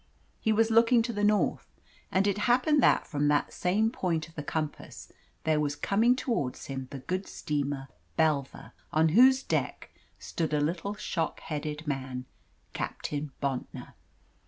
He was looking to the north, and it happened that from that same point of the compass there was coming towards him the good steamer Bellver, on whose deck stood a little shock headed man Captain Bontnor.